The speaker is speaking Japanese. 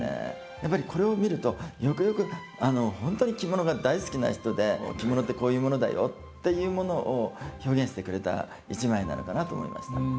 やっぱりこれを見るとよくよく本当に着物が大好きな人で着物ってこういうものだよっていうものを表現してくれた一枚なのかなと思いました。